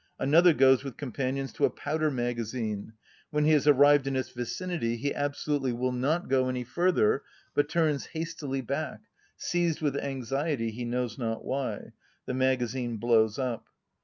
Another goes with companions to a powder magazine; when he has arrived in its vicinity he absolutely will not go any further, but turns hastily back, seized with anxiety he knows not why;—the magazine blows up.